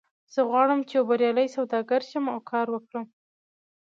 زه غواړم چې یو بریالی سوداګر شم او کار وکړم